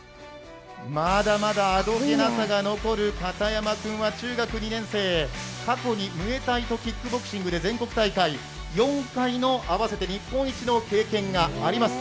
まだまだあどけなさが残る片山君は中学２年生、過去にムエタイとキックボクシングで全国大会４回の合わせて日本一の経験があります。